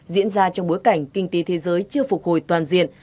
diễn ra trong bối cảnh kinh tế thế giới chưa phục hồi toàn diện